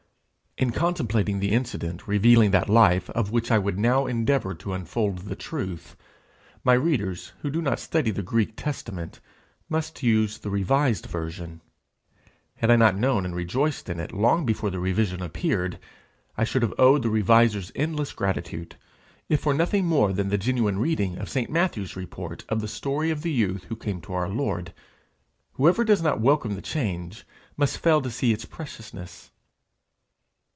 In contemplating the incident revealing that life of which I would now endeavour to unfold the truth, my readers who do not study the Greek Testament must use the revised version. Had I not known and rejoiced in it long before the revision appeared, I should have owed the revisers endless gratitude, if for nothing more than the genuine reading of St. Matthew's report of the story of the youth who came to our Lord. Whoever does not welcome the change must fail to see its preciousness.